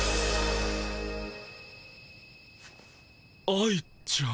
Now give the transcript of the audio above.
愛ちゃん？